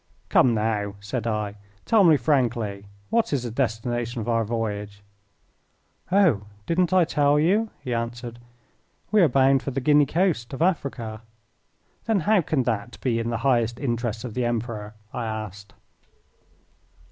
"Come now," said I. "Tell me frankly what is the destination of our voyage?" "Oh, didn't I tell you?" he answered. "We are bound for the Guinea coast of Africa." "Then how can that be in the highest interests of the Emperor?" I asked.